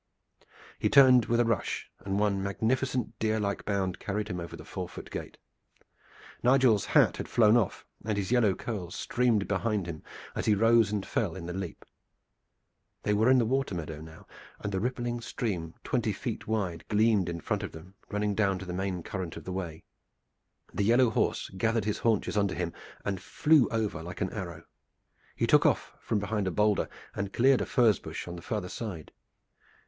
He turned with a rush, and one magnificent deer like bound carried him over the four foot gate. Nigel's hat had flown off, and his yellow curls streamed behind him as he rose and fell in the leap. They were in the water meadow now, and the rippling stream twenty feet wide gleamed in front of them running down to the main current of the Wey. The yellow horse gathered his haunches under him and flew over like an arrow. He took off from behind a boulder and cleared a furze bush on the farther side.